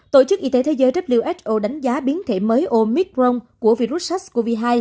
tổ chức y tế thế giới who đánh giá biến thể mới omicron của virus sars cov hai